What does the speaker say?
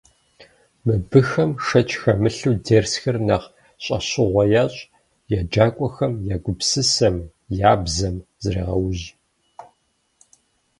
Мыбыхэм, шэч хэмылъу, дерсхэр нэхъ щӏэщыгъуэ ящӏ, еджакӏуэхэм я гупсысэм, я бзэм зрегъэужь.